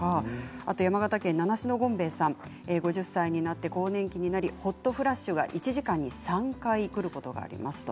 山形県の方は、５０歳なって更年期になってホットフラッシュが１時間に３回くることがあります。